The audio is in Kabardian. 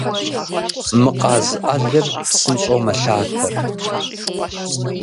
Мы къаз ӏэлыр псынщӏэу мэлъатэр.